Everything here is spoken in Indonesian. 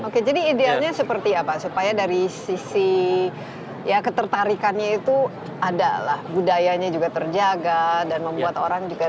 oke jadi idealnya seperti apa supaya dari sisi ya ketertarikannya itu ada lah budayanya juga terjaga dan membuat orang datang ke sini